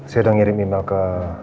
saya sudah ngirim email ke